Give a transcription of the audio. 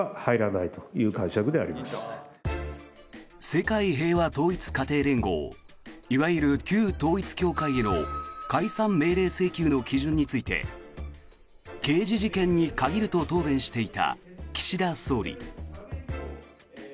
世界平和統一家庭連合いわゆる旧統一教会への解散命令請求の基準について刑事事件に限ると答弁していた岸田総理。